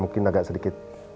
mungkin agak sedikit